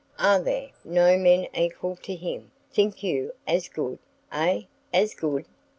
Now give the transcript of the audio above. Are there no men equal to him, think you, as good ay, as good?